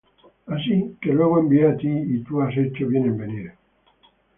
Así que, luego envié á ti; y tú has hecho bien en venir.